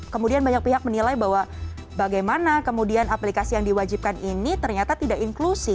kemudian banyak pihak menilai bahwa bagaimana kemudian aplikasi yang diwajibkan ini ternyata tidak inklusi